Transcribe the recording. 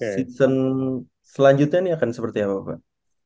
season selanjutnya ini akan seperti apa pak